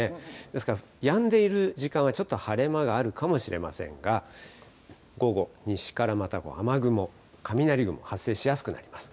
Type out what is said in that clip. ですから、やんでいる時間はちょっと晴れ間があるかもしれませんが、午後、西からまた雨雲、雷雲、発生しやすくなります。